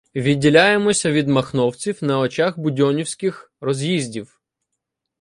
Відділяємося від махновців на очах будьонівських роз'їздів.